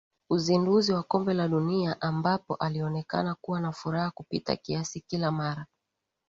uzinduzi wa kombe la dunia ambapo alionekana kuwa na furaha kupita kiasi kila mara